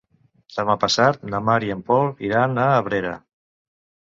Demà passat na Mar i en Pol iran a Abrera.